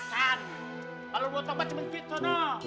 kalau lo mau tahu coba cuci sana